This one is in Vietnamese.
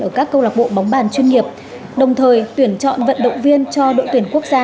ở các câu lạc bộ bóng bàn chuyên nghiệp đồng thời tuyển chọn vận động viên cho đội tuyển quốc gia